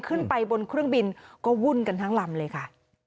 ขึ้นไปบนเครื่องบินก็วุ่นกันทั้งลำเลยค่ะ